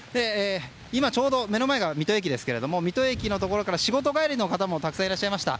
今ちょうど目の前が水戸駅ですが仕事帰りの方もたくさんいらっしゃいました。